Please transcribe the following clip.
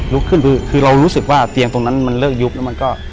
ขึ้นคือเรารู้สึกว่าเตียงตรงนั้นมันเลิกยุบแล้วมันก็